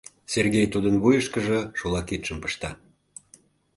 — Сергей тудын вуйышкыжо шола кидшым пышта.